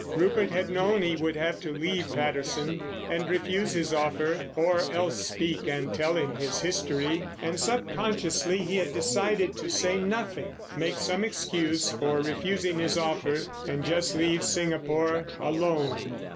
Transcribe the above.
Rupert had known he would have to leave Patterson and refuse his offer—or else speak and tell him his history, and, sub consciously, he had decided to say nothing, make some excuse for refusing his offer and just leave Singapore, alone.